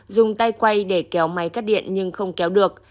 dùng tay quay để kéo máy cắt điện nhưng không kéo được